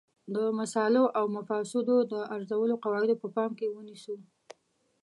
د مصالحو او مفاسدو د ارزولو قواعد په پام کې ونیسو.